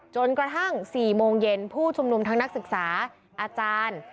จนกระทั่ง๔โมงเย็นผู้ชุมนุมทั้งนักศึกษาอาจารย์